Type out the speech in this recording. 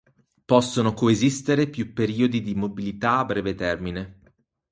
Possono coesistere più periodi di mobilità a breve termine.